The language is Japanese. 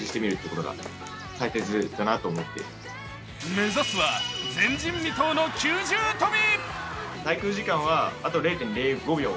目指すは前人未到の９重跳び。